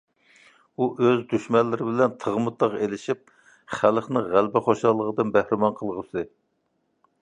ئۇ ئۆز دۈشمەنلىرى بىلەن تىغمۇتىغ ئېلىشىپ، خەلقنى غەلىبە خۇشاللىقىدىن بەھرىمەن قىلغۇسى.